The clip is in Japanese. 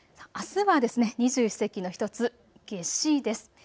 あすは二十四節気の１つ、夏至です。